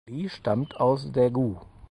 Lee stammt aus Daegu.